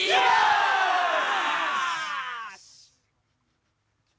よし！